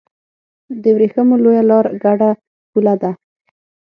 د ورېښمو لویه لار ګډه پوله ده.